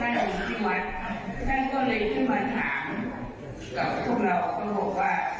เราอยู่ที่วัดท่านก็เลยขึ้นมาถามกับพวกเราก็บอกว่า